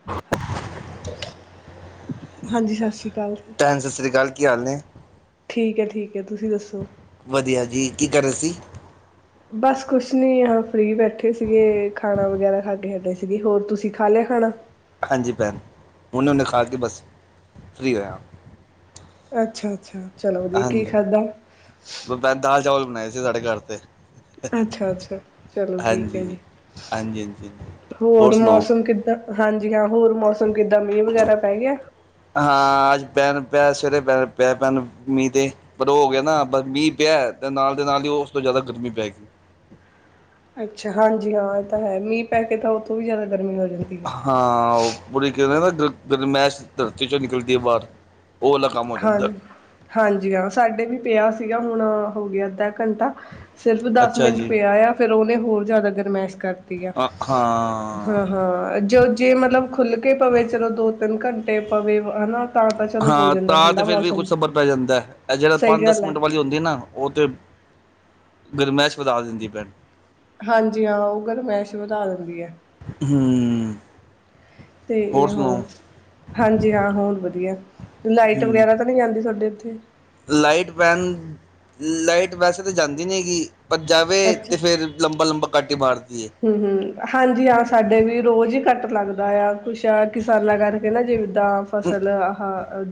[unintelligible] ਹਾਂਜੀ ਸਤਿ ਸ੍ਰੀ ਅਕਾਲ। ਭੈਣ ਸਤਿ ਸ੍ਰੀ ਅਕਾਲ ਕੀ ਹਾਲ ਨੇ? ਠੀਕ ਹੈ ਠੀਕ ਹੈ ਤੁਸੀਂ ਦੱਸੋ। ਵਧੀਆ ਜੀ ਕੀ ਕਰ ਰਹੇ ਸੀ? ਬਸ ਕੁਛ ਨੀ ਆ ਫਰੀ ਬੈਠੇ ਸੀਗੇ ਖਾਣਾ ਵਗੈਰਾ ਖਾ ਕੇ ਹਟੇ ਸੀਗੇ। ਹੋਰ ਤੁਸੀਂ ਖਾ ਲਿਆ ਖਾਣਾ? ਹਾਂਜੀ ਭੈਣ, ਹੁਣੇ-ਹੁਣੇ ਖਾ ਕੇ ਬਸ, ਫਰੀ ਹੋਇਆ। ਅੱਛਾ-ਅੱਛਾ ਚਲੋ ਵਧੀਆ ਕੀ ਹਾਂਜੀ ਖਾਧਾ? ਬ- ਦਾਲ ਚਾਵਲ ਬਣਾਏ ਸੀ ਸਾਡੇ ਘਰ ਤੇ। ਅੱਛਾ-ਅੱਛਾ ਚਲੋ ਠੀਕ ਹੈ ਹਾਂਜੀ ਜੀ। ਹਾਂਜੀ ਹਾਂਜੀ ਹੋਰ ਮੌਸਮ ਕਿੱਦਾਂ ਹਾਂਜੀ ਹਾਂ ਹੋਰ ਮੌਸਮ ਕਿੱਦਾਂ ਮੀਂਹ ਵਗੈਰਾ ਪੈ ਗਿਆ? ਹਾਂ ਅੱਜ ਬਹਿਣ ਪਿਆ ਸਵੇਰੇ ਬਹਿਣ ਪਿਆ ਬੈਣ ਮੀਂਹ ਦੇ। ਪਰ ਉਹ ਹੋ ਗਿਆ ਨਾ ਬ ਮੀਂਹ ਪਿਆ ਤੇ ਨਾਲ ਦੇ ਨਾਲ ਹੀ ਉਸ ਤੋਂ ਜ਼ਿਆਦਾ ਗਰਮੀ ਪੈ ਗਈ। ਅੱਛਾ ਹਾਂਜੀ ਹਾਂ ਇਹ ਤਾਂ ਹੈ ਮੀਂਹ ਪੈ ਕੇ ਤਾਂ ਉਥੋਂ ਵੀ ਜ਼ਿਆਦਾ ਗਰਮੀ ਲੱਗਦੀ। ਹਾਂ ਉਹ ਪੂਰੀ ਕਹਿੰਦੇ ਨਾ ਗ ਗਰਮੈਸ਼ ਧਰਤੀ ਚੋਂ ਨਿਕਲਦੀ ਹੈ ਬਾਹਰ। ਉਹ ਵਾਲਾ ਕੰਮ ਹੋ ਹਾਂ ਜਾਂਦਾ ਹਾਂਜੀ ਹਾਂ ਸਾਡੇ ਵੀ ਪਿਆ ਸੀਗਾ ਹੁਣ ਹੋ ਗਿਆ ਅੱਧਾ ਘੰਟਾ। ਸਿਰਫ ਦਸ ਅੱਛਾ ਮਿੰਟ ਜੀ ਪਿਆ ਆ ਫਿਰ ਉਹਨੇ ਹੋਰ ਜ਼ਿਆਦਾ ਗਰਮੈਸ਼ ਕਰਤੀ ਆ। ਹਾਂ ਹਾਂ ਜੋ ਜੇ ਮਤਲਬ ਖੁੱਲ ਕੇ ਪਵੇ ਚਲੋ ਦੋ ਤਿੰਨ ਘੰਟੇ ਪਵੇ ਹਨਾ ਤਾਂ ਤਾਂ ਚਲੋ ਹੋ ਹੀ ਹਾਂ ਤਾਂ ਤੇ ਫਿਰ ਵੀ ਕੁਛ ਸਬਰ ਪੈ ਜਾਂਦਾ, ਹੈ ਇਹ ਜਿਹੜਾ ਸਹੀ ਪੰਜ ਦਸ ਗੱਲ ਹੈ ਮਿੰਟ ਵਾਲੇ ਹੁੰਦੀ ਨਾ ਉਹ ਤੇ, ਗਰਮਾਇਸ਼ ਵਧਾ ਦਿੰਦੀ ਭੈਣ। ਹਾਂਜੀ ਹਾਂ ਉਹ ਗਰਮਾਇਸ਼ ਵਧਾ ਦਿੰਦੀ ਹੈ। ਹੂੰ ਹੋਰ ਤੇ ਓਹੋ, ਸੁਣਾਓ ਹਾਂਜੀ ਹਾਂ ਹੋਰ ਵਧੀਆ। ਲਾਈਟ ਹੂੰ ਵਗੈਰਾ ਤਾਂ ਨਹੀਂ ਜਾਂਦੀ ਤੁਹਾਡੇ ਉੱਥੇ? ਲਾਈਟ ਭੈਣ, ਲਾਈਟ ਵੈਸੇ ਤਾਂ ਜਾਂਦੀ ਨਹੀਂ ਹੈਗੀ। ਪਰ ਜਾਵੇ ਅੱਛਾ ਤੇ ਫੇਰ ਲੰਬਾ-ਲੰਬਾ ਕੱਟ ਈ ਮਾਰਦੀ ਏ। ਹੂੰ-ਹੂੰ ਹਾਂਜੀ ਹਾਂ ਸਾਡੇ ਵੀ ਰੋਜ਼ ਹੀ ਕੱਟ ਲੱਗਦਾ ਆ ਕੁਛ ਆ ਕਿਸਾਨਾਂ ਕਰਕੇ ਨਾ ਜੀ ਤਾਂ ਫਸਲ ਆਹ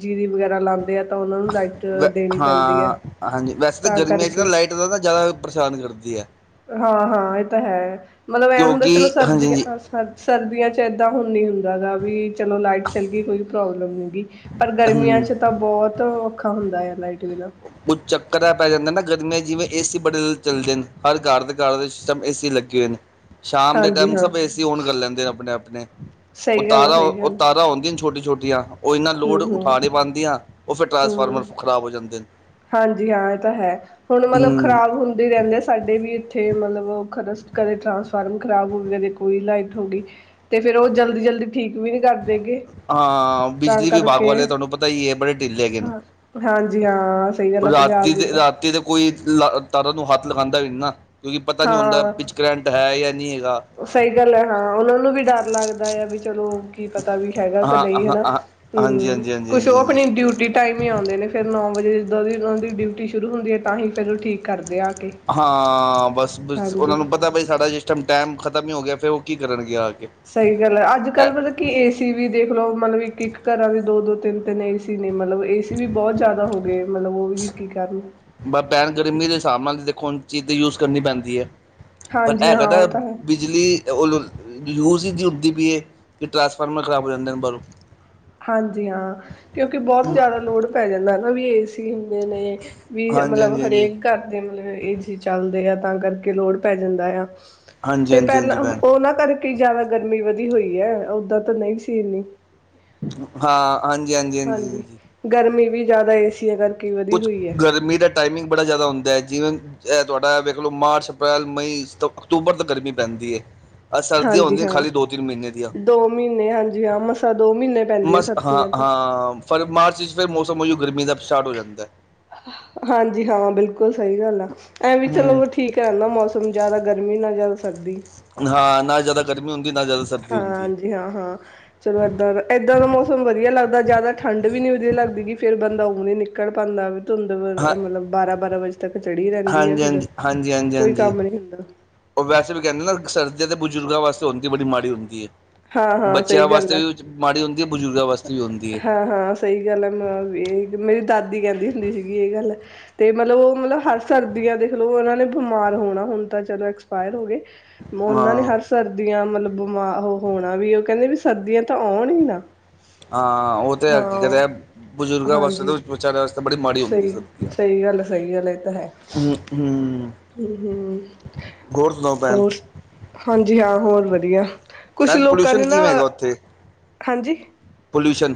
ਜੀਰੀ ਵਗੈਰਾ ਲਾਂਦੇ। ਤਾਂ ਉਹਨਾਂ ਨੂੰ ਲਾਈਟ ਵ ਦੇਣੀ ਪੈਂਦੀ ਹੈ, ਹਾਂ ਹਾਂਜੀ ਵੈਸੇ ਤਾਂ ਗਰਮੀਆਂ 'ਚ ਨਾ ਕਰਕੇ। ਲਾਈਟ ਜ਼ਿਆਦਾ ਪਰੇਸ਼ਾਨ ਕਰਦੀ ਹੈ। ਹਾਂ-ਹਾਂ ਇਹ ਤਾਂ ਹੈ, ਮਤਲਬ ਐਂ ਹੁੰਦਾ ਚਲੋ ਕਿਉਂਕਿ ਹਾਂਜੀ ਸਰਦੀਆਂ ਹਾਂਜੀ ਅਸੀਂ ਪਰ ਸਰਦੀਆਂ ਚ ਇੱਦਾਂ ਹੁੰਦੀ ਹੁੰਦੀ ਜਿਆਦਾ ਵੀ ਚਲੋ ਲਾਈਟ ਚੱਲ ਗਈ ਕੋਈ ਪ੍ਰੋਬਲਮ ਨਹੀਂ ਗੀ ਪਰ ਗਰਮੀਆਂ ਹੂੰ ਚ ਤਾਂ ਬਹੁਤ ਔਖਾ ਹੁੰਦਾ ਆ ਲਾਈਟ ਬਿਨਾਂ। ਕੁਝ ਚੱਕਰ ਐ ਪੈ ਜਾਂਦਾ ਨਾ ਗਰਮੀਆਂ ਜਿਵੇਂ ਏਸੀ ਬੜੇ ਚੱਲਦੇ ਨੇ ਹਰ ਘਰ ਦੇ ਘਰ ਦੇ ਵਿੱਚ ਸਭ ਏ ਸੀ ਲੱਗੇ ਹੋਏ ਨੇ। ਸ਼ਾਮ ਦੇ ਹਾਂਜੀ ਟਾਈਮ ਹਾਂ ਸਭ ਏ ਸੀ ਓਨ ਕਰ ਲੈਂਦੇ ਆਪਣੇ-ਆਪਣੇ। ਉਹ ਸਹੀ ਗੱਲ ਆ ਤਾਰਾਂ ਸਹੀ ਉਹ ਗੱਲ ਤਾਰਾਂ ਹੁੰਦੀਆਂ ਛੋਟੀ-ਛੋਟੀਆਂ। ਉਹ ਇੰਨਾ ਲੋੜ ਹੂੰ-ਹੂੰ। ਹੂੰ ਉਠਾ ਨਹੀਂ ਪਾਦੀਆਂ ਉਹ ਫਿਰ ਟਰਾਂਸਫਾਰਮ ਹੂੰ ਖਰਾਬ ਹੋ ਜਾਂਦੇ। ਹਾਂਜੀ ਹਾਂ ਇਹ ਤਾਂ ਹੈ, ਹੁਣ ਮਤਲਬ ਹਮ ਖ਼ਰਾਬ ਹੁੰਦੇ ਰਹਿੰਦੇ ਸਾਡੇ ਵੀ ਇੱਥੇ ਮਤਲਬ ਖਰ ਕਦੇ ਟਰਾਂਸਫਾਰਮਰ ਖਰਾਬ ਹੋ ਗਏ, ਕਦੇ ਕੋਈ ਲਾਈਟ ਹੋ ਗਈ। ਤੇ ਫੇਰ ਉਹ ਜਲਦੀ, ਜਲਦੀ ਠੀਕ ਵੀ ਨਹੀਂ ਕਰਦੇ ਹੈਗੇ। ਹਾਂ, ਬਿਜਲੀ ਵਿਭਾਗ ਵਾਲੇ ਤੁਹਾਨੂੰ ਪਤਾ ਹੀ ਇਹ ਬੜੇ ਢਿੱਲੇ ਹੈਗੇ। ਹਾਂ ਹਾਂਜੀ, ਹਾਂ। ਸਹੀ ਗੱਲ ਆ ਪੰਜਾਬ ਰਾਤੀ ਦੀ ਤੇ ਤਾਂ ਰਾਤੀ ਤੇ। ਕੋਈ ਲ ਤਾਰਾ ਨੂੰ ਹੱਥ ਲਗਾਂਦਾ ਵੀ ਨਹੀਂ ਨਾ ਕਿਉਂਕਿ ਪਤਾ ਨਹੀਂ ਹੁੰਦਾ ਵਿੱਚ ਹਾਂ ਕਰੰਟ ਹੈ ਜਾਂ ਨਹੀਂ ਹੈਗਾ। ਸਹੀ ਗੱਲ ਹੈ ਹਾਂ ਉਹਨਾਂ ਨੂੰ ਵੀ ਡਰ ਲੱਗਦਾ ਆ ਵੀ ਚਲੋ ਕੀ ਪਤਾ ਵੀ ਹੈਗਾ ਕਿ ਹਾਂ ਨਹੀਂ ਹਾਂ ਹੈਨਾ। ਹਾਂ ਹਾਂਜੀ ਹੂੰ, ਹਾਂਜੀ ਹਾਂਜੀ ਕੁਛ ਉਹ ਹਾਂਜੀ ਹਾਂਜੀ ਆਪਣੀ ਡਿਊਟ ਟਾਈਮ ਹੀ ਆਉਂਦੇ ਨੇ ਫਿਰ ਨੌ ਵਜੇ ਜਦੋਂ ਦੀ ਉਹਦੀ ਡਿਊਟੀ ਸ਼ੁਰੂ ਹੁੰਦੀ ਹੈ ਤਾਂ ਹੀ ਫਿਰ ਉਹ ਠੀਕ ਕਰਦੇ ਆ ਕੇ। ਹਾਂ, ਬਸ ਹਾਂਜੀ ਉਹਨਾਂ ਨੂੰ ਪਤਾ ਬਾਈ ਸਾਡਾ ਜਿਸ ਟਾਈਮ-ਟਾਈਮ ਖਤਮ ਹੀ ਹੋ ਗਿਆ ਫਿਰ ਉਹ ਕੀ ਕਰਨਗੇ ਆ ਕੇ? ਸਹੀ ਗੱਲ ਹੈ, ਅੱਜ ਕੱਲ੍ਹ ਮਤਲਬ ਕਿ ਏ ਸੀ ਵੀ ਦੇਖਲੋ ਮਤਲਬ ਇੱਕ-ਇੱਕ ਘਰਾਂ ਦੀ ਦੋ-ਦੋ ਤਿੰਨ-ਤਿੰਨ ਏਸੀ ਨੇ ਮਤਲਬ। ਏ ਸੀ ਵੀ ਬਹੁਤ ਜ਼ਿਆਦਾ ਹੋ ਗਏ ਮਤਲਬ ਉਹ ਵੀ ਕੀ ਕਰਨ? ਬ ਭੈਣ ਗਰਮੀ ਦੇ ਹਿਸਾਬ ਨਾਲ ਦੇਖੋ, ਹੁਣ ਚੀਜ਼ ਤੇ ਯੂਜ ਕਰਨੀ ਪੈਂਦੀ ਹੈ। ਪਰ ਹਾਂਜੀ ਹੈਗਾ ਹਾਂ ਬਇ ਉਹ ਤਾਂ ਹੈ ਬਿਜਲੀ ਓਲੁਲ ਯੂਸ ਹੀ ਇਤਨੀ ਹੋਂਦੀ ਪਈ ਹੈ ਕਿ ਟਰਾਂਸਫਾਰਮਰ, ਖਰਾਬ ਹੋ ਜਾਂਦੇ ਨੇ ਬਾਹਰੋਂ ਹਾਂਜੀ ਹਾਂ, ਕਿਉਂਕਿ ਬਹੁਤ ਜ਼ਿਆਦਾ ਲੋੜ ਪੈ ਜਾਂਦਾ ਹੈ ਨਾ ਵੀ ਏ ਕਈ ਹੁੰਦੇ ਨੇ ਵੀ ਹਾਂਜੀ ਮਤਲਬ ਹਾਂਜੀ ਹਾਂਜੀ ਹਰੇਕ ਘਰਦੇ ਮਤਲਬ ਏ ਸੀ ਚੱਲਦੇ ਆ ਤਾਂ ਕਰਕੇ ਲੋੜ ਪੈ ਜਾਂਦਾ ਆ। ਹਾਂਜੀ ਤੇ ਹਾਂਜੀ ਪਹਿਲਾਂ ਹਾਂਜੀ ਭੈਣ ਉਹਨਾਂ ਕਰਕੇ ਜ਼ਿਆਦਾ ਗਰਮੀ ਵਧੀ ਹੋਈ ਹੈ, ਓਦਾਂ ਤਾਂ ਨਹੀਂ ਸੀ ਇੰਨੀ। ਹਾਂ। ਹਾਂਜੀ, ਹਾਂਜੀ। ਹਾਂਜੀ, ਗਰਮੀ ਵੀ ਜ਼ਿਆਦਾ ਏ ਸੀਆਂ ਕਰਕੇ। ਵਧੀ ਕੁਛ ਹੋਈ ਹੈ ਗਰਮੀ ਦਾ ਟਾਈਮਿੰਗ ਬੜਾ ਜ਼ਿਆਦਾ ਹੁੰਦਾ ਹੈ ਜਿਵੇਂ ਇਹ ਤੁਹਾਡਾ ਵੇਖ ਲੋ ਮਾਰਚ ਅਪ੍ਰੈਲ, ਮਈ ਤੋਂ ਅਕਤੂਬਰ ਤੱਕ ਗਰਮੀ ਪੈਂਦੀ ਹੈ। ਆ ਸਰਦੀਆਂ ਹਾਂਜੀ ਹੁੰਦੀਆਂ ਹਾਂ ਖਾਲੀ ਦੋ, ਤਿੰਨ ਮਹੀਨੇ ਦੀਆਂ ਦੋ ਮਹੀਨੇ ਹਾਂਜੀ ਹਾਂ ਮਸਾਂ ਦੋ ਮਹੀਨੇ ਪੈਂਦੀਆਂ ਮਸ ਹਾਂ। ਸਰਦੀਆਂ ਤਾਂ ਹਾਂ, ਫਰ ਮਾਰਚ ਵਿੱਚ ਫਿਰ ਮੌਸਮ ਉਹੀਓ ਗਰਮੀ ਦਾ ਸਟਾਰਟ ਹੋ ਜਾਂਦਾ। ਹਾਂਜੀ, ਹਾਂ ਬਿਲਕੁਲ ਸਹੀ ਗੱਲ ਆ ਐਂ ਵੀ ਹੂੰ ਚਲੋ ਠੀਕ। ਧਿਆਨ ਦਾ ਮੌਸਮ ਜ਼ਿਆਦਾ ਗਰਮੀ ਨਾ ਜ਼ਿਆਦਾ ਸਰਦੀ। ਹਾਂ, ਨਾ ਜ਼ਿਆਦਾ ਗਰਮੀ ਹੁੰਦੀ ਨਾ ਜ਼ਿਆਦਾ ਸ ਹਾਂ, ਹਾਂਜੀ ਹਾਂ-ਹਾਂ। ਚਲੋ, ਇੱਦਾਂ ਦਾ ਇੱਦਾਂ ਦਾ ਮੌਸਮ ਵਧੀਆ ਲੱਗਦਾ, ਜ਼ਿਆਦਾ ਠੰਡ ਵੀ ਨਹੀਂ ਵਧੀਆ ਲੱਗਦੀ ਗ ਫਿਰ ਬੰਦਾ ਉਂ ਹੀ ਨਿਕਲ ਪਾਉਂਦਾ। ਧੁੰਦ, ਹਾਂ ਮਤਲਬ ਬਾਰਾਂ-ਬਾਰਾਂ ਵਜੇ ਤੱਕ ਚੜ੍ਹੀ ਰਹਿੰਦੀ ਆ ਹਾਂਜੀ ਫੇਿਰ ਹਾਂਜੀ ਹਾਂਜੀ ਹਾਂਜੀ ਕੋਈ ਹਾਂਜੀ ਕੰਮ ਨੀ ਹੁੰਦਾ। ਉਹ ਵੈਸੇ ਵੀ ਕਹਿੰਦੇ ਨਾ ਸਰਦੀਆਂ ਤੇ ਬਜ਼ੁਰਗਾਂ ਵਾਸਤੇ ਹੁੰਦੀ, ਬੜੀ ਮਾੜੀ ਹੁੰਦੀ ਹੈ ਹਾਂ ਹਾਂ ਸਹੀ ਬੱਚਿਆਂ ਗੱਲ ਵਾਸਤੇ ਹੈ ਵੀ ਮਾੜੀ ਉਦੀ ਹੈ ਬਜ਼ੁਰਗਾਂ ਵਾਸਤੇ ਵੀ ਉਦੀ ਹੈ। ਹਾਂ ਹਾਂ ਸਹੀ ਗੱਲ ਹੈ, ਮੈਂ ਇਹ ਮੇਰੀ ਦਾਦੀ ਕਹਿੰਦੀ ਹੁੰਦੀ ਸੀਗੀ ਇਹ ਗੱਲ। ਤੇ ਮਤਲਬ ਉਹ ਮਤਲਬ ਹਰ ਸਰਦੀਆਂ ਦੇਖਲਓ ਉਹਨਾਂ ਨੇ ਬਿਮਾਰ ਹੋਣਾ, ਹੁਣ ਤਾਂ ਚਲੋ ਐਕਸਪਾਇਰ ਹੋ ਗਏ। ਉਹਨਾਂ ਨੇ ਹਾਂ ਹਰ ਸਰਦੀਆਂ ਮਤਲਬ ਬਿਮਾਰ ਉਹ ਹੋਣਾ ਵੀ ਉਹ ਕਹਿੰਦੇ ਵੀ ਸਰਦੀਆਂ ਤਾਂ ਆਉਣ ਹੀ ਨਾ। ਹਾਂ, ਉਹ ਤਾਂ ਹੈ ਅਗੇ ਹਾਂ ਕਦੇ ਬਜ਼ੁਰਗਾਂ ਵਾਸਤੇ ਹਾਂਜੀ ਤਾਂ ਵਿਚਾਰਿਆਂ ਵਾਸਤੇ ਬੜੀ ਮਾੜੀ ਹੁੰਦੀ ਸਹੀ ਸਰ ਸਹੀ ਗੱਲ, ਸਹੀ ਗੱਲ ਇਹ ਤਾਂ ਹੈ। ਹੁੰ, ਹੁੰ। ਹਮ-ਹਮ [unintelligible] ਹੌਰ ਸੁਨਾਓ? ਹੋਰ, ਹਾਂਜੀ ਹਾਂ, ਹੋਰ ਵਧੀਆ ਕੁਛ ਭੈਣ ਲੋਕਾਂ ਪੋਲਿਊਸ਼ਨ ਨੇ ਨਾ ਕਿਵੇਂ ਹਾਂਜੀ। ਪੋਲਊਸ਼ਨ।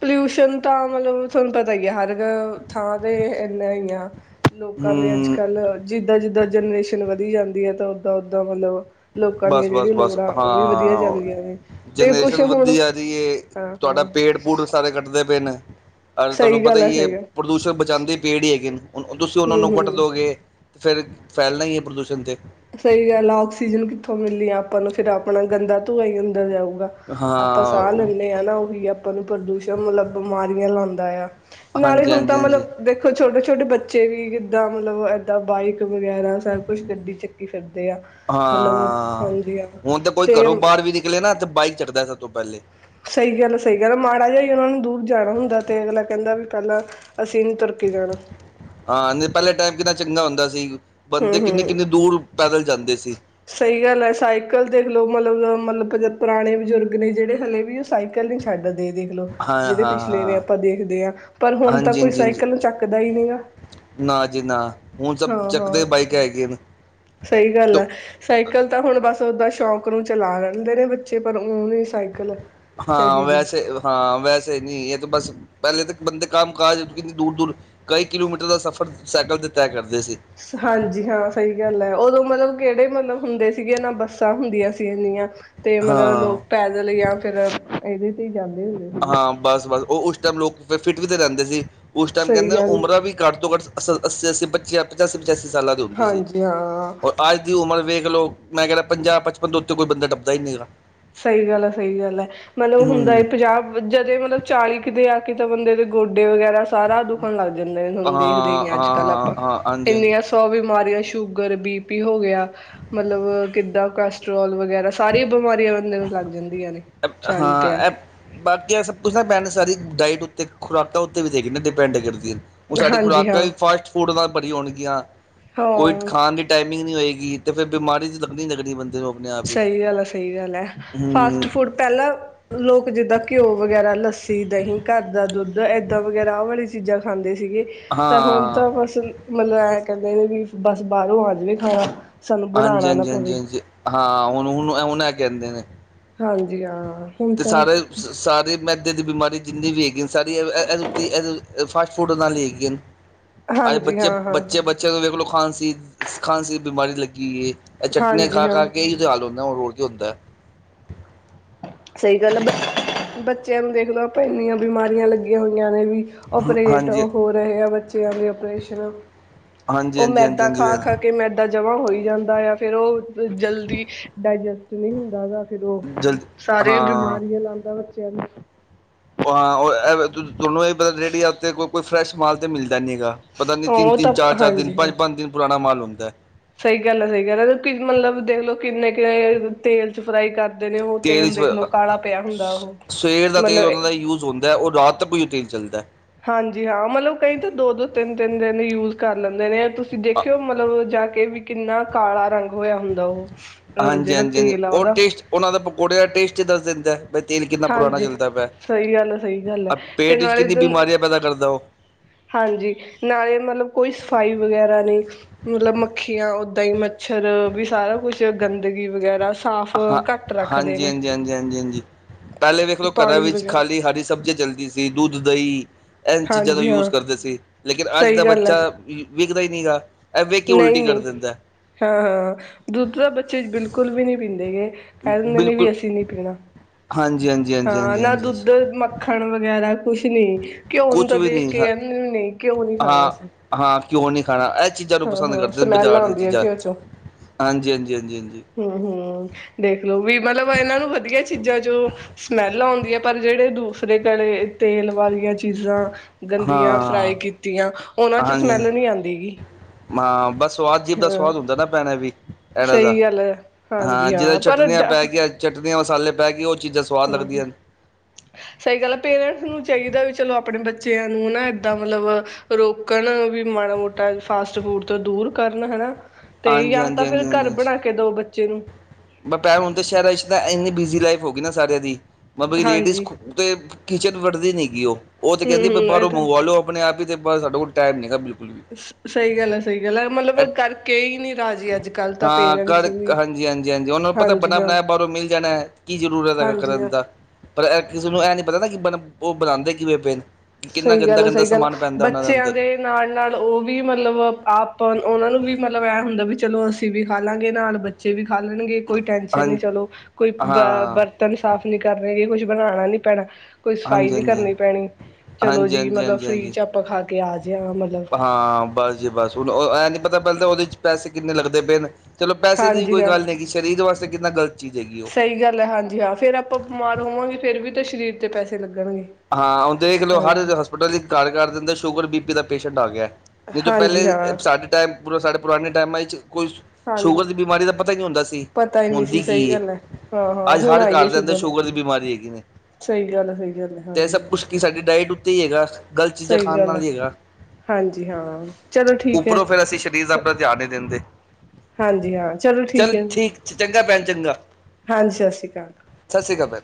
ਪੋਲਿਊਸ਼ਨ ਤਾਂ ਮਤਲਬ ਤੁਹਾਨੂੰ ਪਤਾ ਹੀ ਆ ਹਰ ਥਾਂ ਤੇ ਇੱਨਾ ਹੀ ਆ। ਲੋਕਾਂ ਦੇ ਅੱਜ ਹੂੰ ਕੱਲ੍ਹ ਜਿੱਦਾਂ, ਜਿੱਦਾਂ ਜਨਰੇਸ਼ਨ ਵਧੀ ਜਾਂਦੀ ਹੈ ਤਾਂ ਓਦਾਂ-ਓਦਾਂ ਮਤਲਬ ਲੋਕਾਂ ਦੀਆਂ ਬਸ ਬਸ ਜਿਹੜੀ ਬਸ ਲੋੜਾਂ ਉਹ ਵੀ ਵਧੀਆ ਹਾਂ ਜਾਂਦੀਆਂ ਨੇ ਤੇ ਕੁਛ ਜਨਰੇਸ਼ਨ ਹੁਣ ਹਾਂ-ਹਾਂ। ਬੂਢ ਸਾਰੇ ਕੱਟਦੇ ਪਏ ਨੇ। ਅ ਤੁਹਾਨੂੰ ਸਹੀ ਪਤਾ ਗੱਲ ਹੀ ਹੈ ਸਹੀ ਗੱਲ ਪ੍ਰਦੂਸ਼ਣ ਬਚਾਉਂਦੇ ਪੇੜ ਹੀ ਹੈਗੇ ਤੁਸੀਂ ਉਹਨਾਂ ਹੂੰ ਨੂੰ ਵੱਡ ਹੂੰ ਦੋਗੇ ਫਿਰ ਫੈਲਣਾ ਹੀ ਹੈ ਪ੍ਰਦੂਸ਼ਣ 'ਤੇ ਸਹੀ ਗੱਲ ਆਕਸੀਜਨ ਕਿੱਥੋਂ ਮਿਲੀ ਆਪਾਂ ਨੂੰ ਫਿਰ ਆਪਣਾ ਗੰਦਾ ਧੂੰਆ ਹੀ ਅੰਦਰ ਜਾਊਗਾ ਆਪਾਂ ਹਾਂ ਸਾਹ ਲੈਂਦੇ ਹਾਂ ਨਾ ਉਹੀ ਆਪਾਂ ਨੂੰ ਪ੍ਰਦੂਸ਼ਣ ਮਤਲਬ ਬਿਮਾਰੀਆਂ ਲਾਉਂਦਾ ਆ ਨਾਲੇ ਹਾਂਜੀ ਹੁਣ ਹਾਂਜੀ ਤਾਂ ਹਾਂਜੀ ਮਤਲਬ ਦੇਖ ਦੇਖੋ ਛੋਟੇ ਛੋਟੇ ਬੱਚੇ ਵੀ ਕਿੱਦਾਂ ਮਤਲਬ ਬਾਈਕ ਵਗੈਰਾ ਸਭ ਕੁੱਛ ਗੱਡੀ ਚ ਫਿਰਦੇ ਆ ਮਤਲਬ ਹਾਂ ਹਾਂਜੀ ਹਾਂ ਹੁਣ ਤਾਂ ਕੋਈ ਤੇ ਘਰੋਂ ਬਾਹਰ ਵੀ ਨਿਕਲੇ ਨਾ ਤੇ ਬਾਈਕ ਚੜ੍ਹਦਾ ਸਭ ਤੋਂ ਪਹਿਲੇ। ਸਹੀ ਗੱਲ ਸਹੀ ਗੱਲ ਮਾੜਾ ਜਿਹਾ ਹੀ ਉਹਨਾਂ ਨੂੰ ਦੂਰ ਜਾਣਾ ਹੁੰਦਾ ਤੇ ਅਗਲਾ ਕਹਿੰਦਾ ਵੀ ਪਹਿਲਾਂ ਅਸੀਂ ਨੀ ਤੁਰਕੀ ਜਾਣਾ। ਹਾਂ ਨਹੀਂ ਪਹਿਲੇ ਟਾਈਮ ਕਿੰਨਾ ਚੰਗਾ ਹੁੰਦਾ ਸੀ ਹੂੰ ਬੰਦੇ ਕਿੰਨੇ ਹੂੰ ਕਿੰਨੇ ਦੂਰ ਪੈਦਲ ਜਾਂਦੇ ਸੀ। ਸਹੀ ਗੱਲ ਹੈ ਸਾਈਕਲ ਦੇਖਲਓ ਮਤਲਬ ਮਤਲਬ ਪੁਰਾਣੇ ਬਜ਼ੁਰਗ ਨੇ ਜਿਹੜੇ ਹਲੇ ਵੀ। ਸਾਈਕਲ ਨੀ ਛੱਡ ਦੇਦੇ ਲ ਹਾਂ ਹਾਂ ਜਿਹੜੇ ਪਿਛਲੇ ਨੇ ਆਪਾਂ ਹਾਂ ਦੇਖਦੇ ਹਾਂ ਪਰ ਹੁਣ ਤਾਂ ਹਾਂਜੀ ਕੋਈ ਹਾਂਜੀ ਹਾਂਜੀ ਸਾਈਕਲ ਨੂੰ ਚੱਕਦਾ ਹੀ ਨਹੀਂ ਗ ਨਾ ਜੀ ਨਾ ਹੁਣ ਸਭ ਹਾਂ ਚੱਕਦੇ ਬਾਈਕ ਹੈਗੀਆਂ ਨੇ। ਸਹੀ ਗੱਲ ਤੋ ਆ। ਸਾਈਕਲ ਤਾਂ ਹੁਣ ਬਸ ਓਦਾਂ ਸ਼ੌਕ ਨੂੰ ਚਲਾ ਲੈਂਦੇ ਨੇ ਬੱਚੇ ਪਰ ਓ ਨਹੀਂ ਸਾਈਕਲ ਹਾਂ ਚਾਹੀਦੀ ਵੈਸੇ ਹਾਂ ਵੈਸੇ ਨਹੀਂ ਇਹ ਤਾਂ ਬਸ ਪਹਿਲੇ ਤਾਂ ਬੰਦੇ ਕੰਮ ਕਾਜ ਕਿੰਨੀ ਦੂਰ-ਦੂਰ ਕਈ ਕਿਲੋਮੀਟਰ ਦਾ ਸਫ਼ਰ ਸਾਈਕਲ ਤੇ ਤੈਅ ਕਰਦੇ ਸੀ ਹਾਂਜੀ ਹਾਂ ਸਹੀ ਗੱਲ ਹੈ ਉਦੋਂ ਮਤਲਬ ਕਿਹੜੇ ਮਤਲਬ ਹੁੰਦੇ ਸੀਗੇ ਨਾ ਬੱਸਾਂ ਹੁੰਦੀਆਂ ਸੀ ਇਨੀਆਂ ਤੇ ਮਤਲਬ ਹਾਂ ਲੋਕ ਪੈਦਲ ਜਾਂ ਫਿਰ ਇਹਦੇ ਤੇ ਜਾਂਦੇ ਹੁੰਦੇ ਸੀਗੇ ਬਸ-ਬਸ ਉਹ ਉਸ ਟਾਈਮ ਲੋਕ ਫ ਫਿਟ ਵੀ ਤੇ ਰਹਿੰਦੇ ਸੀ ਉਸ ਟਾਈਮ ਸਹੀ ਕਹਿੰਦੇ ਗੱਲ ਉਮਰਾਂ ਵੀ ਘੱਟ ਤੋਂ ਘੱਟ ਅ ਅੱਸੀ-ਅੱਸੀ ਪੱਚੀਆਂ ਪਚਾਸੀ-ਪਚਾਸੀ ਸਾਲਾਂ ਦੀ ਹੁੰਦੀ ਸੀ ਹਾਂਜੀ ਹਾਂ ਔਰ ਅੱਜ ਦੀ ਉਮਰ ਵੇਖ ਲਓ ਮੈਂ ਕਹਿੰਦਾ ਪੰਜਾਹ ਪਚਪਨ ਤੋਂ ਉੱਤੇ ਕੋਈ ਬੰਦਾ ਟਪਦਾ ਹੀ ਨਹੀਂ ਹੈਗਾ ਸਹੀ ਗੱਲ ਹੈ ਸਹੀ ਗੱਲ ਹੈ ਮਤਲਬ ਹੁੰਦਾ ਹਮ ਇ ਪੰਜਾਹ ਜੱਦੇ ਮਤਲਬ ਚਾਲੀ ਕਿ ਦੇਆ ਕੇਤੇ ਬੰਦੇ ਦੇ ਗੋਡੇ ਵਗੈਰਾ ਸਾਰਾ ਦੁਖਣ ਲੱਗ ਜਾਂਦਾ ਹਾਂ ਤੁਾਨੂੰ ਦੇਖਦੇ ਹੀ ਅੱਜ ਕੱਲ੍ਹ ਹਾਂ ਆਪਾਂ ਹਾਂ ਹਾਂਜੀ ਹਾਂਜੀ ਇੰਨੀਆਂ ਸੋ ਬਿਮਾਰੀਆਂ ਸ਼ੂਗਰ ਬੀ ਪੀ ਹੋ ਗਿਆ ਮਤਲਬ ਕਿੱਦਾਂ ਕੋਲੈਸਟਰ੍ਰੋਲ ਵਗੈਰਾ ਸਾਰੀਆਂ ਬਿਮਾਰੀਆਂ ਨੇ ਨੂੰ ਲੱਗ ਜਾਂਦੀਆਂ ਨੇ ਚਾਲੀ ਤੇ ਆ ਹਾਂ ਇਹ ਕੇ। ਬਾਕੀ ਆ ਸਭ ਕੁਛ ਨਾ ਪੈਣ ਸਾਰੀ ਡਾਇਟ ਉੱਤੇ ਖੁਰਾਕਾਂ ਉੱਤੇ ਵੀ ਦੇਖਦੇ ਡਿਪੈਂਡ ਕਰਦੀ। ਹੁਣ ਕੇ ਸਾਡਡੀ ਹਾਂਜੀ ਖੁਰਾਕਾਂ ਹਾਂ ਵੀ ਫਾਸਟ ਫੂਡ ਬੜੀਆਂ ਹੋਣਗੀਆਂ ਕੋਈ ਹਾਂ ਖਾਣ ਦੀ ਟਾਈਮਿੰਗ ਨਹੀਂ ਹੋਏਗੀ ਫਿਰ ਬਿਮਾਰੀ ਦੀ ਲੱਗਣੀ ਨਹੀਂ ਲੱਗ ਬੰਦੇ ਨੂੰ ਆਪਣੇ ਆਪ ਹੀ। ਸਹੀ ਗੱਲ ਆ ਸਹੀ ਗੱਲ ਹੈ। ਹੂੰ, ਫਾਸਟ ਫੂਡ ਪਹਿਲਾਂ ਲੋਕ ਜਿੱਦਾਂ ਘਿਓ ਵਗੈਰਾ ਲੱਸੀ ਦਹੀਂ ਘਰ ਦਾ ਦੁੱਧ ਏਦਾਂ ਵਗੈਰਾ ਆਹ ਵਾਲੀ ਚੀਜ਼ਾਂ ਖਾਂਦੇ ਸੀਗੇ। ਤਾਂ ਹੁਣ ਹਾਂ ਤਾਂ ਬਸ ਮਤਲਬ ਐ ਕਹਿੰਦੇ ਨੇ ਵੀ ਬਸ ਬਾਹਰੋਂ ਆ ਜਾਵੇ ਖਾਣਾ। ਸਾਨੂੰ ਹਾਂਜੀ ਬਣਾਉਣਾ ਨਾ ਹਾਂਜੀ ਹਾਂਜੀ ਪਵੇ। ਹਾਂਜੀ ਹਾਂ ਹੁਣ ਹੁਣ ਹੁਣ ਲੈ ਕੇ ਆਂਦੇ ਨੇ। ਹਾਂਜੀ ਹਾਂ ਹੁਣ ਅਤੇ ਤਾਂ ਸਾਰੇ ਸਾਰੇ ਮੈਦੇ ਦੀ ਬਿਮਾਰੀ ਜਿੰਨੀ ਵੀ ਹੈਗੀ ਸਾਰੀ ਰੁੱਤੀ। ਫਾਸਟ ਫੂਡ ਨਾਲ ਹੀ ਹੈਗੀਆਂ ਨੇ ਅੱਜ ਹਾਂਜੀ ਬੱਚੇ ਹਾਂ ਹਾਂ ਬੱਚੇ ਬੱਚ ਅੱਛਾ ਵੇਖ ਲੋ ਖਾਂਸੀ ਸੀ ਖਾਂਸੀ ਬਿਮਾਰੀ ਲੱਗੀ ਹੈ ਚਟਨੀਆਂ ਹਾਂਜੀ ਖਾ ਹਾਂ ਖਾ ਕੇ ਹੀ।। ਜਾਲੁੰਦਾ ਉਹ ਰੋੜ ਦਾ ਹੈ। ਸਹੀ ਗੱਲ ਹੈ ਬ ਬੱਚਿਆਂ ਨੂੰ ਦੇਖਲ ਆਪਾਂ ਇੰਨੀਆਂ ਬਿਮਾਰੀਆਂ ਲੱਗੀਆਂ ਹੋਈਆਂ ਨੇ ਵੀ ਓਪਰੇਟ ਹਾਂਜੀ ਹੋ ਰਹੇ ਆ ਬੱਚਿਆਂ ਦੇ ਓਪਰੇਸ਼ਨ ਹਾਂਜੀ ਉਹ ਹਾਂਜੀ ਹਾਂਜੀ ਮੈਦਾ ਹਾਂਜੀ ਖਾ ਖ ਕੇ ਮੈਦਾਾਂ ਜਮਾਂ ਹੋਈ ਜਾਂਦਾ ਆ ਫੇਰ ਉਹ। ਜਲਦੀ ਡਾਇਜਸਟ ਨਹੀਂ ਹੁੰਦਾ ਗਾ ਫੇਿਰ ਉਹ ਜਲਦੀ ਸਾਰੀਆਂ ਹਾਂ ਬਿਮਾਰੀਆਂ। ਇਹ ਲਾਂਦਾ ਬੱਚਿਆਂ ਨੂੰ ਉਹ ਹਾਂ ਉਹ ਤੁਹਾਨੂੰ ਇਹ ਪਤਾ, ਰੇਹੜੀਆਂ ਉੱਤੇ ਕੋਈ-ਕੋਈ ਫਰੈਸ਼ ਮਾਲ ਤਾਂ ਮਿਲਦਾ ਨਹੀਂ ਹੈਗਾ। ਪਤਾ ਨੀ ਉਹ ਤਿੰਨ-ਤਿੰਨ, ਤਾਂ ਚਾਰ-ਚਾਰ ਦਿਨ, ਹਾਂਜੀ ਹਾਂ ਪੰਜ-ਪੰਜ ਦਿਨ ਪੁਰਾਣਾ ਮਾਲ ਹੁੰਦਾ। ਸਹੀ ਗੱਲ ਐ, ਸਹੀ ਗੱਲ ਐ, ਮਤਲਬ ਦੇਖਲੋ ਕਿੰਨੇ ਕ ਤੇਲ ਚ ਫਰਾਈ ਕਰ ਕਰਦੇ ਨੇ ਉਹ ਤੇਲ ਦੇਖ ਲਓ, ਕਾਲਾ ਪਿਆ ਹੁੰਦਾ ਉਹ ਸਵੇਰ ਦਾ ਤੇਲ ਮਤਲਬ। ਉਹਨਾਂ ਦਾ ਯੂਜ ਹੁੰਦਾ ਉਹ ਰਾਤ ਤੱਕ ਓਹੀ ਰੂਟੀਨ ਚੱਲਦਾ। ਹਾਂਜੀ ਹਾਂ, ਮਤਲਬ ਕਈ ਤਾਂ ਦੋ-ਦੋ, ਤਿੰਨ-ਤਿੰਨ ਦਿਨ ਯੂਜ ਕਰ ਲੈਂਦੇ ਨੇ। ਤੁਸੀਂ ਦੇਖਿਓ ਮਤਲਬ ਜਾ ਕੇ ਵੀ, ਕਿੰਨਾ ਕਾਲਾ ਰੰਗ ਹੋਇਆ ਹੁੰਦਾ ਉਹ। ਅਹ ਜਿਹੜਾ ਹਾਂਜੀ-ਹਾਂਜੀ-ਹਾਂਜੀ ਤੇਲ ਆ ਉਹ ਉਹਦਾ ਟੇਸਟ ਉਹਨਾਂ ਦਾ ਪਕੌੜੇ ਦਾ ਟੇਸਟ ਦੱਸ ਦਿੰਦਾ। ਬਾਈ ਤੇਲ ਕਿੰਨਾ ਪੁਰਾਣਾ ਹਾਂਜੀ ਚੱਲਦਾ ਪਿਆ, ਸਹੀ ਗੱਲ ਹੈ ਸਹੀ ਗੱਲ ਹੈ ਅ ਤੇ ਪੇਟ ਵਿੱਚ ਨਾਲੇ ਕਿੰਨੀ ਬਿਮਾਰੀਆਂ ਪੈਦਾ ਕਰਦਾ ਓਹ। ਹਾਂਜੀ, ਨਾਲੇ ਮਤਲਬ ਕੋਈ ਸਫਾਈ ਵਗੈਰਾ ਨੀ। ਮਤਲਬ ਮੱਖੀਆਂ ਉੱਦਾਂ ਹੀ ਮੱਛਰ, ਵੀ ਸਾਰਾ ਕੁਛ ਗੰਦਗੀ ਵਗੈਰਾ ਸਾਫ ਹਾਂ, ਹਾਂਜੀ-ਹਾਂਜੀ-ਹਾਂਜੀ-ਹਾਂਜੀ-ਹਾਂਜੀ, ਪਹਿਲੇ ਵੇਖਲੋ ਘਰਾਂ ਪਾਣੀ ਵਿੱਚ ਵਗੈਰਾ ਖਾਲੀ ਹਰੀ ਸਬਜ਼ੀ ਜਲਦੀ ਸੀ। ਤੇ ਦੁੱਧ, ਦਹੀਂ ਇਹਨਾਂ ਚੀਜ਼ਾਂ ਦਾ ਹਾਂਜੀ ਯੂਜ ਹਾਂ ਕਰਦੇ ਸੀ, ਲੇਕਿਨ ਅੱਜ ਦਾ ਸਹੀ ਗੱਲ ਬੱਚਾ ਵਿਕਦਾ ਹੀ ਨੀ ਗਾ। ਇਹ ਵੇਖ ਕੇ ਉਲਟੀ ਕਰ ਨਹੀਂ-ਨਹੀਂ, ਦਿੰਦਾ ਹਾਂ-ਹਾਂ, ਦੁੱਧ ਤਾਂ ਬੱਚੇ ਬਿਲਕੁਲ ਵੀ ਨੀ ਪੀਂਦੇ ਹੈਗੇ। ਕਹਿ ਦਿੰਦੇ ਨੇ ਬਿਲਕੁਲ ਵੀ ਅਸੀਂ ਨੀ ਪੀਣਾ, ਹਾਂਜੀ ਹਾਂਜੀ ਹਾਂਜੀ ਹਾਂ ਹਾਂਜੀ ਨਾ ਹਾਂਜੀ ਦੁੱਧ ਮਤ ਮੱਖਣ ਵਗੈਰਾ ਕੁਛ ਨੀ, ਘਿਓ ਨੂੰ ਕੁਛ ਤਾਂ ਵੀ ਦੇਖ ਨਹੀਂ ਕੇ ਹਾਂ ਕਹਿੰਦੇ ਵੀ ਨਈ, ਘਿਓ ਨੀ ਖਾਣਾ ਹਾਂ ਅਸੀਂ। ਹਾਂ, ਘਿਉ ਨੀ ਖਾਣਾ, ਇਹ ਚੀਜ਼ਾਂ ਨੂੰ ਪਸੰਦ ਹਾਂ-ਹਾਂ ਕਰਦੇ ਆ ਸਮੈਲ ਬਾਜ਼ਾਰ ਦੀਆਂ ਆਉਂਦੀ ਹੈ ਚੀਜ਼ਾਂ, ਘਿਓ ਚੋਂ ਹਾਂਜੀ-ਹਾਂਜੀ-ਹਾਂਜੀ-ਹਾਂਜੀ। ਹੂੰ-ਹੂੰ, ਦੇਖਲੋ ਵੀ ਮਤਲਬ ਇਹਨਾਂ ਨੂੰ ਵਧੀਆ ਚੀਜ਼ਾਂ ਚੋ ਸਮੈਲ ਆਉਂਦੀ ਐ, ਪਰ ਜਿਹੜੇ ਦੂਸਰੇ ਗਲੇ ਤੇਲ ਵਾਲੀਆਂ ਚੀਜ਼ਾਂ ਗੰਦੀਆਂ ਹਾਂ ਫਰਾਈ ਕੀਤੀਆਂ, ਉਹਨਾਂ ਚੋਂ ਸਮੈਲ ਨਹੀਂ ਆਂਦੀ ਹੈਗੀ। ਮਾਂ ਬੱਸ ਸਵਾਦ ਜੀਭ ਦਾ ਸਵਾਦ ਹੁੰਦਾ ਨਾ ਪੈਣਾ ਵੀ ਇਹਨਾਂ ਦਾ, ਸਹੀ ਗੱਲ ਹੈ ਹਾਂ ਹਾਂਜੀ ਜਿੱਦਾਂ ਪਰ ਚਟਣੀਆਂ ਜਾ ਪੈ ਗੀਆਂ ਚਟਨੀਆਂ ਮਸਾਲੇ ਪੈ ਗਏ ਓਹ ਚ ਹੂੰ-ਹੂੰ, ਸਹੀ ਗੱਲ ਐ, ਪੇਰੈਂਟਸ ਨੂੰ ਚਾਹੀਦਾ ਵੀ ਚਲੋ ਆਪਣੇ ਬੱਚਿਆਂ ਨੂੰ ਨਾ, ਏਦਾਂ ਮਤਲਬ ਰੋਕਣ, ਵੀ ਮਾੜਾ ਮੋਟਾ ਫਾਸਟ ਫੂਡ ਤੋਂ ਦੂਰ ਕਰਨ ਹਨਾ। ਤੇ ਹਾਂਜੀ ਜਾਂ ਹਾਂਜੀ ਤਾਂ ਫਿਰ ਹਾਂਜੀ ਘਰ ਬਣਾ ਕੇ ਦੋ ਬੱਚੇ ਨੂੰ। ਮ ਭੈ ਹੁਣ ਤਾਂ ਸ਼ਹਿਰਾਂ ਵਿੱਚ ਤਾਂ ਇੰਨੀ ਬਿਜ਼ੀ ਲਾਈਫ ਹੋ ਗਈ ਨਾ ਸਾਰਿਆਂ ਦੀ, ਮਤ ਲੇਡੀਜ਼ ਹਾਂਜੀ ਤੇ ਕਿਚਨ ਵੜਦੀ ਨੀ ਗੀ ਉਹ, ਉਹ ਤੇ ਕਹਿੰਦੀ ਹੂੰ-ਹੂੰ ਇਹ ਬਾਹਰੋਂ ਤਾਂ ਮੰਗਵਾ ਲੋ ਆਪ ਆਪਣੇ ਆਪ ਹੀ ਤੇ, ਸਾਡੇ ਕੋਲ ਟਾਈਮ ਨੀ ਹੈਗਾ ਬਿਲ ਸਹੀ ਗੱਲ ਐ, ਸਹੀ ਗੱਲ ਐ, ਮਤਲਬ ਕਰਕੇ ਹੀ ਨੀ ਰਾਜੀ ਅੱਜ-ਕੱਲ੍ਹ ਤਾਂ ਪੇਰੈਂਟਸ ਵੀ। ਹਾਂਜੀ-ਹਾਂਜੀ-ਹਾਂਜੀ, ਉਹਨਾਂ ਨੂੰ ਪਤਾ ਹਾਂਜੀ ਬਣਾ ਹਾਂ ਬਣਾਇਆ ਬਾਹਰੋਂ ਮਿਲ ਜਾਣਾ ਐ, ਕੀ ਜ਼ਰੂਰਤ ਹੈਗਾ ਹਾਂਜੀ ਕਰਨ ਹਾਂ ਦਾ। ਪਰ ਕਿਸੇ ਨੂੰ ਇਹ ਨਹੀਂ ਪਤਾ ਨਾ, ਕਿ ਬ ਉਹ ਬਣਾਂਦੇ ਕਿਵੇਂ ਪਏ ਨੇ। ਕਿੰਨਾ ਗੰਦਾ-ਗੰਦਾ ਸਮਾਨ ਪੈਂਦਾ, ਉਹਨਾਂ ਦੇ ਅੰਦਰ। ਨਾਲ-ਨਾਲ ਉਹ ਵੀ ਮਤਲਬ ਆਪ ਉਹਨਾਂ ਨੂੰ ਵੀ ਮਤਲਬ ਇਹ ਹੁੰਦਾ, ਵੀ ਚਲੋ ਅਸੀਂ ਵੀ ਖਾਲਾਂਗੇ ਨਾਲ ਬੱਚ ਬੱਚੇ ਵੀ ਖਾ ਲੈਣਗੇ। ਕੋਈ ਟੈਨਸ਼ਨ ਹਾਂ ਨੀ ਚਲੋ, ਕੋਈ ਬ ਹਾਂ ਬਰਤਨ ਸਾਫ਼ ਨੀ ਕਰਨੇਗੇ, ਕੁਛ ਬਣਾਣਾ ਨੀ ਪੈਣਾ। ਕੋਈ ਸਫ਼ਾਈ ਹਾਂਜੀ ਹਾਂਜੀ ਨੀ ਹਾਂਜੀ ਕਰਨੀ ਪੈਣੀ, ਚਲੋ ਹਾਂਜੀ ਜੀ ਹਾਂਜੀ ਮਤਲਬ ਹਾਂਜੀ ਫਰੀ ਹਾਂਜੀ ਚ ਆਪਾਂ ਖਾ ਕੇ ਆਜੇ ਆਂ ਮਤਲਬ। ਹਾਂ ਬਸ ਜੀ ਬਸ, ਹੁਣ ਐਂ ਨਹੀਂ ਪਤਾ ਪਹਿਲਾਂ ਤਾਂ ਉਹਦੇ ਚ ਪੈਸੇ ਕਿੰਨੇ ਲੱਗਦੇ ਪਏ ਨੇ। ਚਲੋ ਪੈਸੇ ਦੀ ਹਾਂਜੀ ਕੋਈ ਹਾਂ ਗੱਲ ਨਹੀਂ ਹੈਗੀ, ਸਰੀਰ ਵਾਸਤੇ ਕਿੰਨਾ ਗਲਤ ਚੀਜ਼ ਹੈਗੀ ਉਹ। ਸਹੀ ਗੱਲ ਐ, ਹਾਂਜ ਜੀ ਹਾਂ, ਫੇਰ ਆਪਾਂ ਬਿਮਾਰ ਹੋਵਾਂਗੇ, ਫੇਰ ਵੀ ਤਾਂ ਸਰੀਰ ਤੇ ਪੈਸੇ ਲੱਗਣਗੇ। ਹਾਂ, ਹੁਣ ਦੇਖਲੋ ਹਰ ਹਾਂਜੀ ਹੋਸਪਿਟਲ ਵਿੱਚ ਘਰ ਕਰ ਦਿੰਦਾ, ਸ਼ੂਗਰ, ਬੀ ਪੀ ਦਾ ਪੇਸ਼ੈਂਟ ਆ ਗਿਆ। ਨਹੀਂ ਤਾਂ ਹਾਂਜੀ ਪਹਿਲੇ ਹਾਂ ਸਾਡੇ ਟੈਮ, ਸਾਡੇ ਪੁਰਾਣੇ ਟੈਮਾਂ ਵਿੱਚ ਕੋਈ ਸ਼ੂਗਰ ਹਾਂਜੀ ਦੀ ਬਿਮਾਰੀ ਦਾ ਪਤਾ ਹੀ ਨਹੀਂ ਹੁੰਦਾ ਸੀ, ਪਤਾ ਹੀ ਨਹੀਂ ਹੁੰਦੀ ਸੀ ਕੀ ਸਹੀ ਏ, ਗੱਲ ਹੈ ਹਾਂ ਹਾਂ ਅੱਜ ਹੁਣ ਹਰ ਆਈ ਹੈ ਘਰ ਦੇ ਅੰਦਰ ਸ਼ੂਗਰ ਦੀ ਬਿਮਾਰੀ ਹੈਗੀ ਨੇ। ਸਹੀ ਗੱਲ ਐ, ਸਹੀ ਗੱਲ ਐ। ਤੇ ਇਹ ਸਭ ਕੁਛ ਕਿ ਸਾਡੀ ਡਾਇਟ ਉੱਤੇ ਹੀ ਹੈਗਾ, ਗ਼ਲਤ ਚੀਜ਼ਾਂ ਸਹੀ ਖਾਣ ਗੱਲ ਨਾਲ ਆ ਹੀ ਹੈਗਾ। ਹਾਂਜੀ ਹਾਂ ਚਲੋ ਠੀਕ ਹੈ ਉੱਪਰੋਂ ਫੇਿਰ ਅਸੀਂ ਸਰੀਰ ਦਾ ਆਪਣਾ ਧਿਆਨ ਨਹੀਂ ਦਿੰਦੇ। ਹਾਂਜੀ ਹਾਂ ਚਲੋ ਚੱਲ ਹੈ ਠੀਕ ਚੰਗਾ ਭੈਣ ਚੰਗਾ। ਹਾਂਜੀ ਸਤਿ ਸ਼੍ਰੀ ਅਕਾਲ ਸਤਿ ਸ਼੍ਰ ਅਕਾਲ।